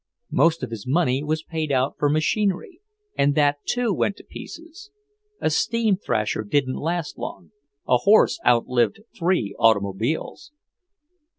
Most of his money was paid out for machinery, and that, too, went to pieces. A steam thrasher didn't last long; a horse outlived three automobiles.